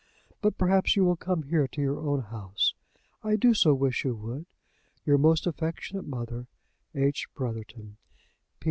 But perhaps you will come here to your own house. I do so wish you would. "Your most affectionate mother, "H. BROTHERTON.